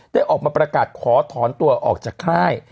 ได้ออกมาประกาศขอถอนตัวออกจากค่าย